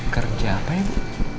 kerja apa ya bu